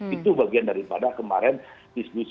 itu bagian daripada kemarin diskusi